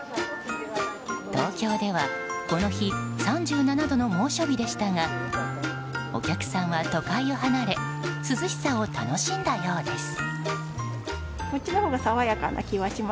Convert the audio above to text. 東京では、この日３７度の猛暑日でしたがお客さんは都会を離れ涼しさを楽しんだようです。